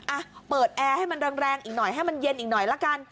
อ่ะเปิดแอร์ให้มันแรงอีกหน่อยให้มันเย็นอีกหน่อยละกัน